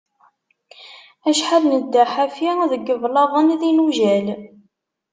Acḥal nedda ḥafi deg iblaḍen d inujal.